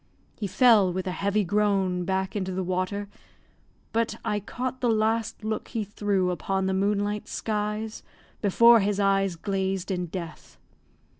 He fell with a heavy groan back into the water; but I caught the last look he threw upon the moonlight skies before his eyes glazed in death.